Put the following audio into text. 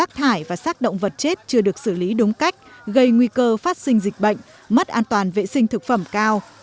rác thải và sác động vật chết chưa được xử lý đúng cách gây nguy cơ phát sinh dịch bệnh mất an toàn vệ sinh thực phẩm cao